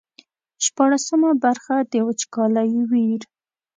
شپاړسمه برخه د وچکالۍ ویر.